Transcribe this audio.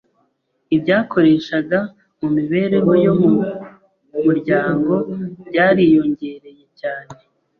Ibyakoreshaga mu mibereho yo mu muryango byariyongereye cyane.